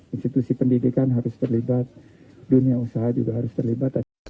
institusi pendidikan harus terlibat dunia usaha juga harus terlibat